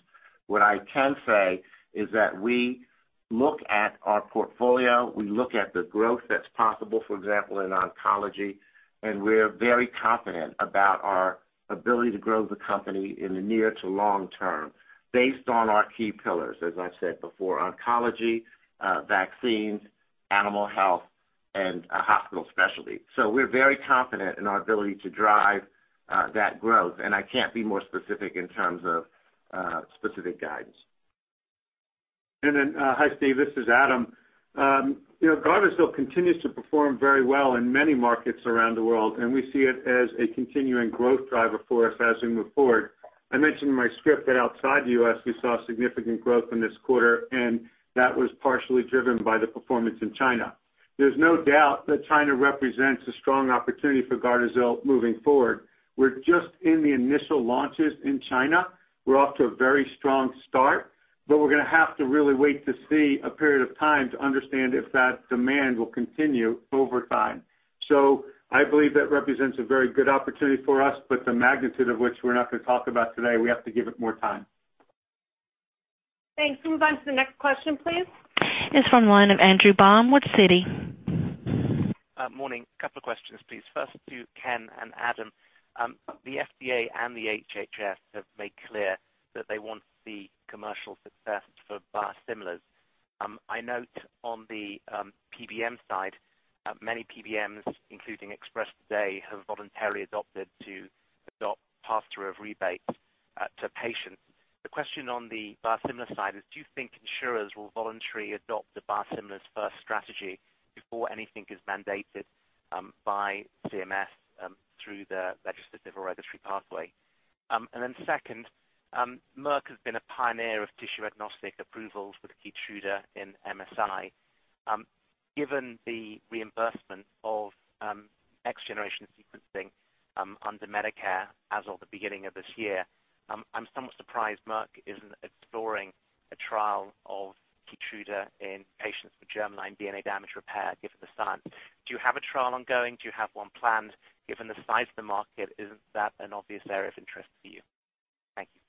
What I can say is that we look at our portfolio, we look at the growth that's possible, for example, in oncology. We're very confident about our ability to grow the company in the near to long term based on our key pillars, as I've said before, oncology, vaccines, animal health, and hospital specialty. We're very confident in our ability to drive that growth, I can't be more specific in terms of specific guidance. Hi, Steve, this is Adam. GARDASIL continues to perform very well in many markets around the world, and we see it as a continuing growth driver for us as we move forward. I mentioned in my script that outside the U.S., we saw significant growth in this quarter, and that was partially driven by the performance in China. There's no doubt that China represents a strong opportunity for GARDASIL moving forward. We're just in the initial launches in China. We're off to a very strong start, but we're going to have to really wait to see a period of time to understand if that demand will continue over time. I believe that represents a very good opportunity for us, but the magnitude of which we're not going to talk about today, we have to give it more time. Thanks. Can we move on to the next question, please? It's from the line of Andrew Baum with Citi. Morning. A couple of questions, please. First to Ken and Adam. The FDA and the HHS have made clear that they want to see commercial success for biosimilars. I note on the PBM side, many PBMs, including Express Scripts today, have voluntarily adopted to adopt pass-through of rebates to patients. The question on the biosimilar side is, do you think insurers will voluntarily adopt the biosimilars-first strategy before anything is mandated by CMS through the legislative or regulatory pathway? Second, Merck has been a pioneer of tissue-agnostic approvals with KEYTRUDA in MSI. Given the reimbursement of next-generation sequencing under Medicare as of the beginning of this year, I'm somewhat surprised Merck isn't exploring a trial of KEYTRUDA in patients with germline DNA damage repair, given the science. Do you have a trial ongoing? Do you have one planned? Given the size of the market, isn't that an obvious area of interest for you? Thank you.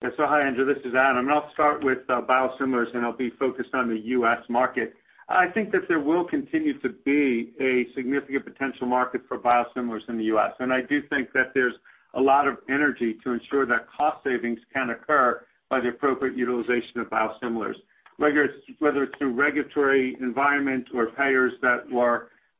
Hi, Andrew, this is Adam, and I'll start with biosimilars, and I'll be focused on the U.S. market. I think that there will continue to be a significant potential market for biosimilars in the U.S., and I do think that there's a lot of energy to ensure that cost savings can occur by the appropriate utilization of biosimilars. Whether it's through regulatory environment or payers that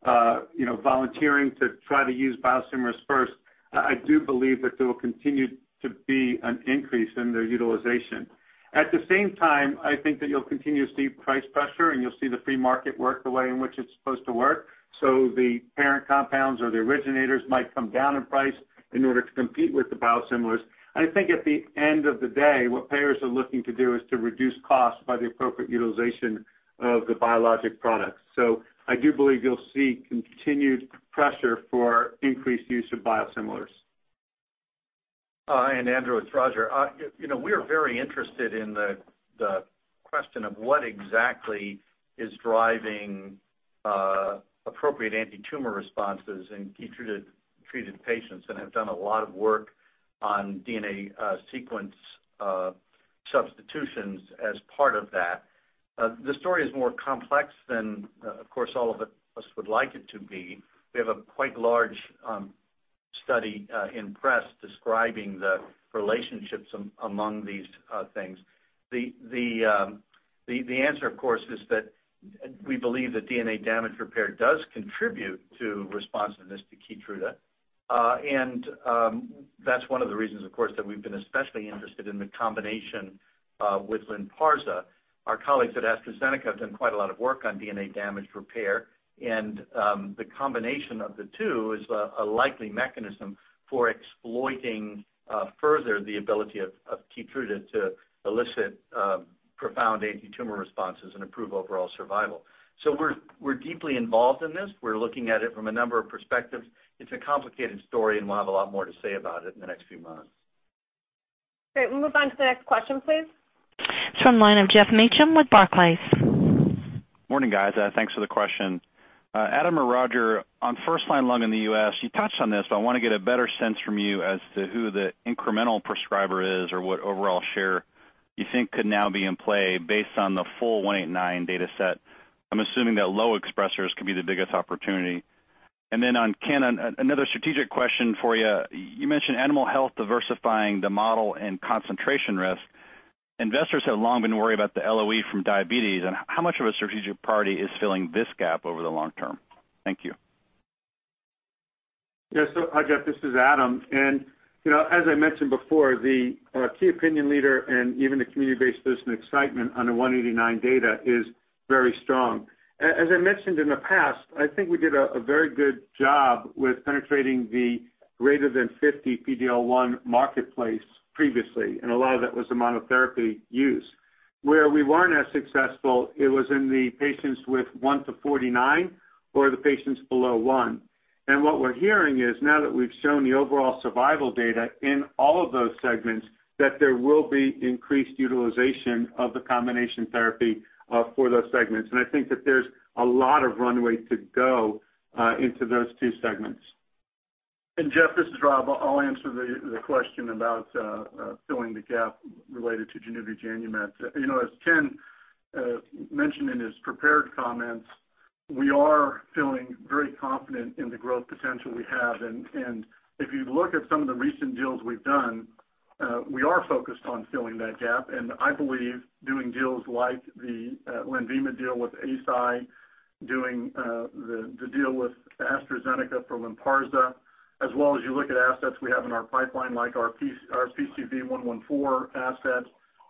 are volunteering to try to use biosimilars first, I do believe that there will continue to be an increase in their utilization. At the same time, I think that you'll continue to see price pressure, and you'll see the free market work the way in which it's supposed to work. The parent compounds or the originators might come down in price in order to compete with the biosimilars. I think at the end of the day, what payers are looking to do is to reduce costs by the appropriate utilization of the biologic products. I do believe you'll see continued pressure for increased use of biosimilars. Andrew, it's Roger. We are very interested in the question of what exactly is driving appropriate anti-tumor responses in KEYTRUDA-treated patients and have done a lot of work on DNA sequence substitutions as part of that. The story is more complex than, of course, all of us would like it to be. We have a quite large study in press describing the relationships among these things. The answer, of course, is that we believe that DNA damage repair does contribute to responsiveness to KEYTRUDA. That's one of the reasons, of course, that we've been especially interested in the combination with LYNPARZA. Our colleagues at AstraZeneca have done quite a lot of work on DNA damage repair, and the combination of the two is a likely mechanism for exploiting further the ability of KEYTRUDA to elicit profound anti-tumor responses and improve overall survival. We're deeply involved in this. We're looking at it from a number of perspectives. It's a complicated story. We'll have a lot more to say about it in the next few months. Great. We'll move on to the next question, please. It's from line of Geoffrey Meacham with Barclays. Morning, guys. Thanks for the question. Adam or Roger, on first-line lung in the U.S., you touched on this, but I want to get a better sense from you as to who the incremental prescriber is or what overall share you think could now be in play based on the full 189 data set. I'm assuming that low expressers could be the biggest opportunity. Then on Ken, another strategic question for you. You mentioned Animal Health diversifying the model and concentration risk. Investors have long been worried about the LOE from diabetes and how much of a strategic priority is filling this gap over the long term? Thank you. Hi, Jeff, this is Adam, as I mentioned before, the key opinion leader and even the community-based physician excitement on the KEYNOTE-189 data is very strong. As I mentioned in the past, I think we did a very good job with penetrating the greater than 50% PD-L1 marketplace previously, a lot of that was the monotherapy use. Where we weren't as successful, it was in the patients with 1% to 49% or the patients below 1%. What we're hearing is now that we've shown the overall survival data in all of those segments, that there will be increased utilization of the combination therapy for those segments. I think that there's a lot of runway to go into those two segments. Jeff, this is Rob. I'll answer the question about filling the gap related to Januvia/Janumet. As Ken mentioned in his prepared comments, we are feeling very confident in the growth potential we have. If you look at some of the recent deals we've done, we are focused on filling that gap, I believe doing deals like the LENVIMA deal with Eisai, doing the deal with AstraZeneca for LYNPARZA, as well as you look at assets we have in our pipeline, like our V114 asset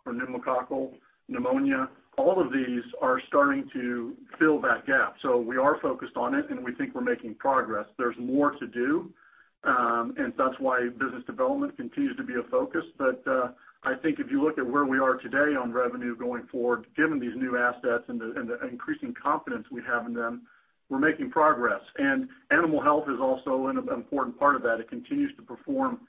for pneumococcal pneumonia, all of these are starting to fill that gap. We are focused on it, and we think we're making progress. There's more to do, and that's why business development continues to be a focus. I think if you look at where we are today on revenue going forward, given these new assets and the increasing confidence we have in them, we're making progress. Animal health is also an important part of that. It continues to perform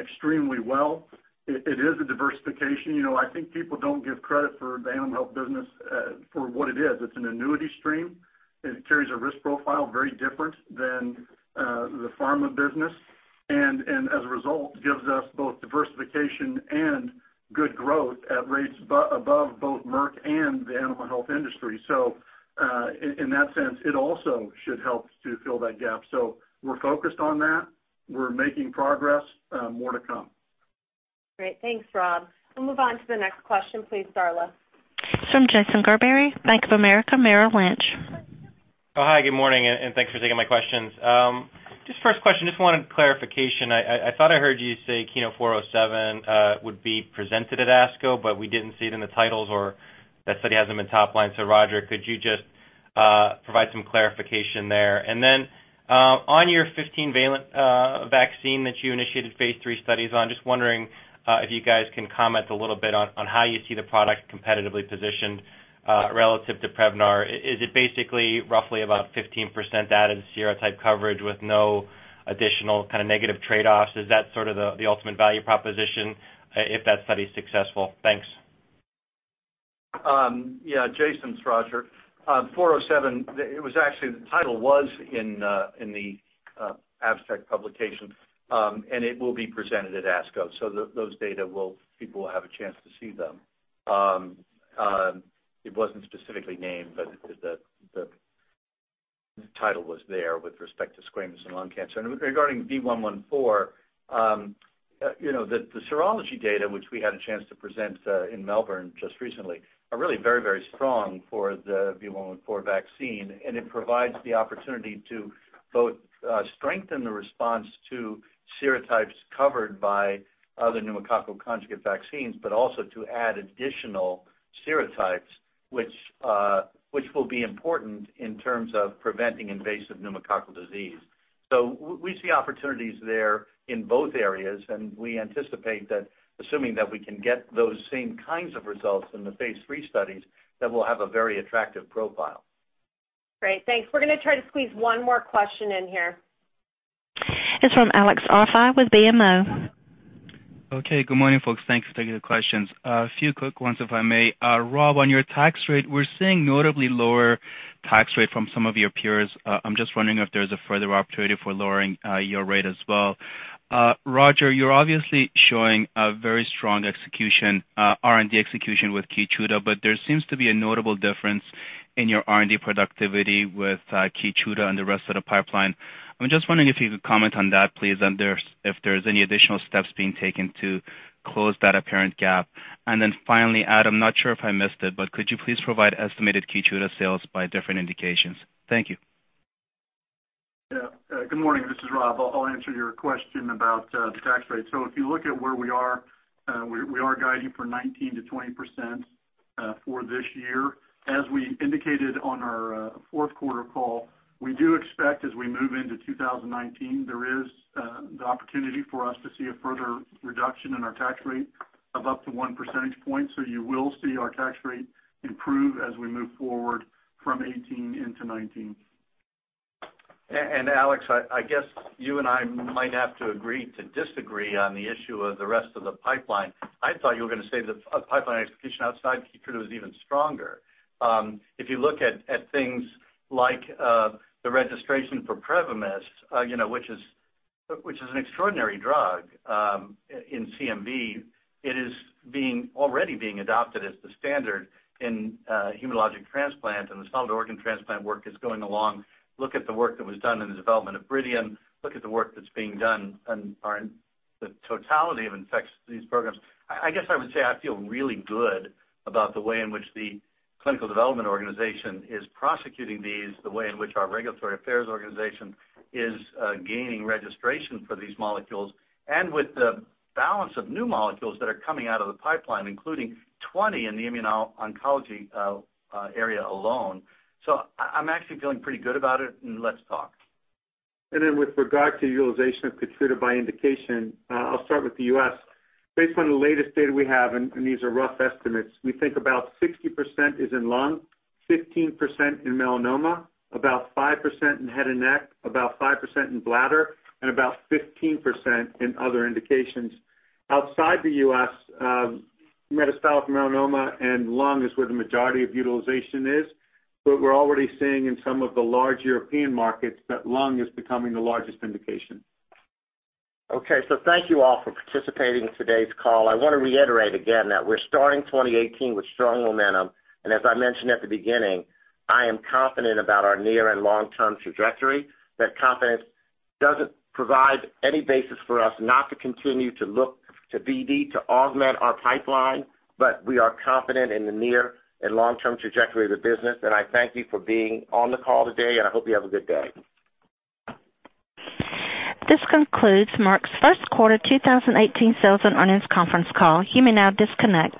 extremely well. It is a diversification. I think people don't give credit for the animal health business for what it is. It's an annuity stream, and it carries a risk profile very different than the pharma business. As a result, gives us both diversification and good growth at rates above both Merck and the animal health industry. In that sense, it also should help to fill that gap. We're focused on that. We're making progress. More to come. Great. Thanks, Rob. We'll move on to the next question, please, Darla. It's from Jason Gerberry, Bank of America Merrill Lynch. Hi, good morning, and thanks for taking my questions. First question, wanted clarification. I thought I heard you say KEYNOTE-407 would be presented at ASCO, but we didn't see it in the titles or that study hasn't been top line. Roger, could you just provide some clarification there? On your 15-valent vaccine that you initiated phase III studies on, just wondering if you guys can comment a little bit on how you see the product competitively positioned relative to Prevnar. Is it basically roughly about 15% added serotype coverage with no additional kind of negative trade-offs? Is that sort of the ultimate value proposition if that study is successful? Thanks. Jason, it's Roger. KEYNOTE-407, the title was in the abstract publication, and it will be presented at ASCO. Those data, people will have a chance to see them. It wasn't specifically named, but the title was there with respect to squamous and lung cancer. Regarding V114, the serology data, which we had a chance to present in Melbourne just recently, are really very, very strong for the V114 vaccine, and it provides the opportunity to both strengthen the response to serotypes covered by other pneumococcal conjugate vaccines, also to add additional serotypes, which will be important in terms of preventing invasive pneumococcal disease. We see opportunities there in both areas, and we anticipate that assuming that we can get those same kinds of results in the phase III studies, that we'll have a very attractive profile. Great. Thanks. We're going to try to squeeze one more question in here. It's from Alex Arfaei with BMO. Okay, good morning, folks. Thanks. Take the questions. A few quick ones, if I may. Rob, on your tax rate, we're seeing notably lower tax rate from some of your peers. I'm just wondering if there's a further opportunity for lowering your rate as well. Roger, you're obviously showing a very strong R&D execution with KEYTRUDA, but there seems to be a notable difference in your R&D productivity with KEYTRUDA and the rest of the pipeline. I'm just wondering if you could comment on that, please, and if there's any additional steps being taken to close that apparent gap. Finally, Adam, not sure if I missed it, but could you please provide estimated KEYTRUDA sales by different indications? Thank you. Yeah. Good morning. This is Rob. I'll answer your question about the tax rate. If you look at where we are, we are guiding for 19%-20% for this year. As we indicated on our fourth quarter call, we do expect as we move into 2019, there is the opportunity for us to see a further reduction in our tax rate of up to one percentage point. You will see our tax rate improve as we move forward from 2018 into 2019. Alex, I guess you and I might have to agree to disagree on the issue of the rest of the pipeline. I thought you were going to say that pipeline execution outside KEYTRUDA was even stronger. If you look at things like the registration for PREVYMIS, which is an extraordinary drug in CMV, it is already being adopted as the standard in hematologic transplant, and the solid organ transplant work is going along. Look at the work that was done in the development of BRIDION. Look at the work that's being done on the totality of infectious disease programs. I guess I would say I feel really good about the way in which the clinical development organization is prosecuting these, the way in which our regulatory affairs organization is gaining registration for these molecules, and with the balance of new molecules that are coming out of the pipeline, including 20 in the immuno-oncology area alone. I'm actually feeling pretty good about it, and let's talk. With regard to utilization of KEYTRUDA by indication, I'll start with the U.S. Based on the latest data we have, and these are rough estimates, we think about 60% is in lung, 15% in melanoma, about 5% in head and neck, about 5% in bladder, and about 15% in other indications. Outside the U.S., metastatic melanoma and lung is where the majority of utilization is, but we're already seeing in some of the large European markets that lung is becoming the largest indication. Okay, thank you all for participating in today's call. I want to reiterate again that we're starting 2018 with strong momentum, and as I mentioned at the beginning, I am confident about our near and long-term trajectory. That confidence doesn't provide any basis for us not to continue to look to BD to augment our pipeline, we are confident in the near and long-term trajectory of the business, I thank you for being on the call today, and I hope you have a good day. This concludes Merck's first quarter 2018 sales and earnings conference call. You may now disconnect.